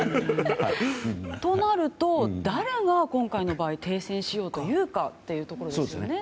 となると、誰が今回の場合停戦しようというかですね。